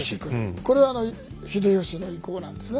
これは秀吉の意向なんですね。